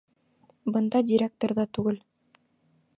Бында директор ҙа түгел.